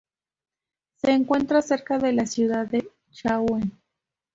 Se encuentra cerca de la ciudad de Chauen.